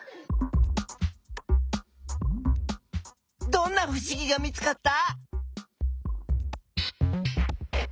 どんなふしぎが見つかった？